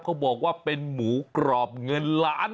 เขาบอกว่าเป็นหมูกรอบเงินล้าน